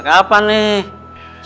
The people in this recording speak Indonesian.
negara perempuan panjang ceritamu